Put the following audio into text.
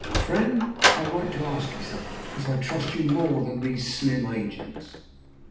"'Friend, I write to ask you something because I trust you more than these slim agents.